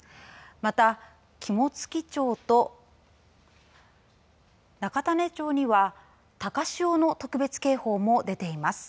また肝付町と中種子町には高潮の特別警報も出ています。